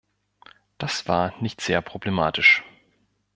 Das war nicht sehr problematisch.